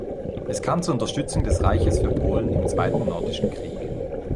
Es kam zur Unterstützung des Reiches für Polen im Zweiten Nordischen Krieg.